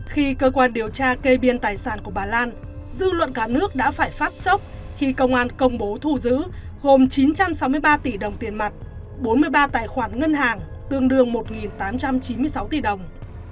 khi cơ quan điều tra cây biên tài sản của bà lan dư luận cả nước đã phải phát sóc khi công an công bố thù giữ gồm chín trăm sáu mươi ba tỷ đồng tiền mặt bốn mươi ba tài khoản ngân hàng